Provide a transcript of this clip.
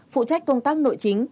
phụ trách công tác nội chính